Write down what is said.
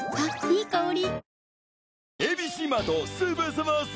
いい香り。